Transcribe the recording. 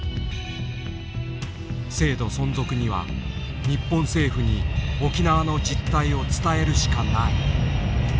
制度存続には日本政府に沖縄の実態を伝えるしかない。